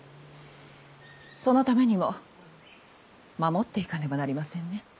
そのためにも守っていかねばなりませんね